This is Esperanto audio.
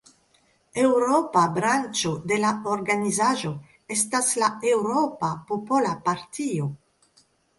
Eŭropa branĉo de la organizaĵo estas la Eŭropa Popola Partio.